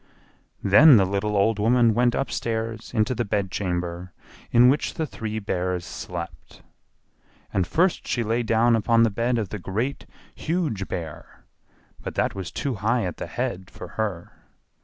Then the little old woman went upstairs into the bedchamber in which the three Bears slept. And first she lay down upon the bed of the Great, Huge Bear, but that was too high at the head for her.